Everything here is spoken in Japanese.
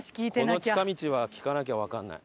この近道は聞かなきゃわかんない。